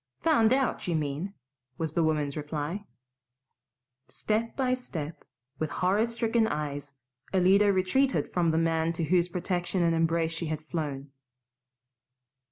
"Found out, you mean," was the woman's reply. Step by step, with horror stricken eyes, Alida retreated from the man to whose protection and embrace she had flown.